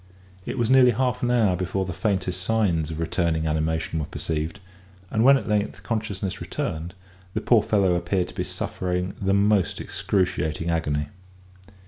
It was nearly half an hour before the faintest signs of returning animation were perceived; and when at length consciousness returned, the poor fellow appeared to be suffering the most excruciating agony.